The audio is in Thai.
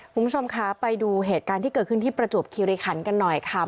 คุณผู้ชมคะไปดูเหตุการณ์ที่เกิดขึ้นที่ประจวบคิริคันกันหน่อยค่ะ